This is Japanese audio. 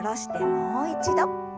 もう一度。